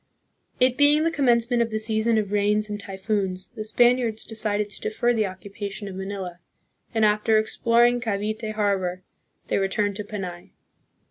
It being the commence ment of the season of rains and typhoons, the Spaniards decided to defer the occupation of Manila, and, after ex ploring Cavite harbor, they returned to Panay.